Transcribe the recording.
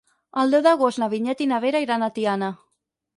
El deu d'agost na Vinyet i na Vera iran a Tiana.